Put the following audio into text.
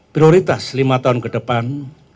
prioritas lima tahun kedepan